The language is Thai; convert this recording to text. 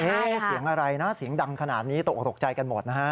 เสียงอะไรนะเสียงดังขนาดนี้ตกออกตกใจกันหมดนะฮะ